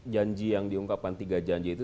janji yang diungkapkan tiga janji itu